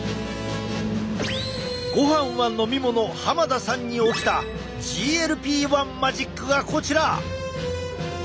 ごはんは“飲みもの”田さんに起きたＧＬＰ−１マジックがこちら！